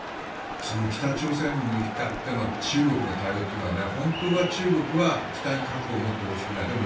その北朝鮮に向かっての中国の対応というのは本当は中国は北に核を持ってほしくない。